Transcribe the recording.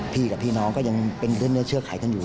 พี่น้องก็ยังเป็นดื่อเนื้อเชื่อไขทางอยู่